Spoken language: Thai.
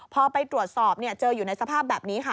พอไปตรวจสอบเจออยู่ในสภาพแบบนี้ค่ะ